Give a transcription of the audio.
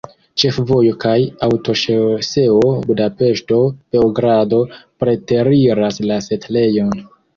Ĉefvojo kaj aŭtoŝoseo Budapeŝto-Beogrado preteriras la setlejon.